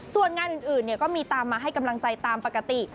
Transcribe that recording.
ส่วนงานอื่นก็มีตามมาให้กำลังใจตามปกติ